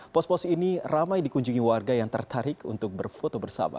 pos pos ini ramai dikunjungi warga yang tertarik untuk berfoto bersama